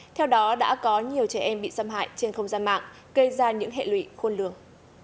theo đó đã có nhiều trẻ em bị xâm hại trên không gian mạng gây ra những hệ lụy khôn lường